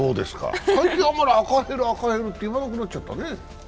最近はあまり赤ヘルって言わなくなっちゃったね。